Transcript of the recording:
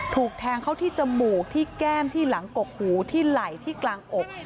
ถูกแทงเข้าที่จมูกที่แก้มที่หลังกกหูที่ไหล่ที่กลางอก